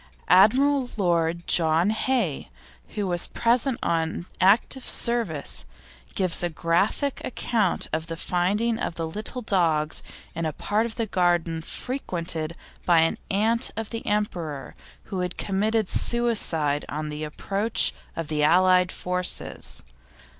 Admiral Lord John Hay, who was present on active service, gives a graphic account of the finding of these little dogs in a part of the garden frequented by an aunt of the Emperor, who had committed suicide on the approach of the Allied Forces.